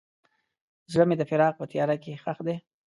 زړه مې د فراق په تیاره کې ښخ دی.